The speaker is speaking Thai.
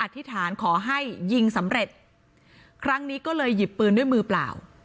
ธิษฐานขอให้ยิงสำเร็จครั้งนี้ก็เลยหยิบปืนด้วยมือเปล่า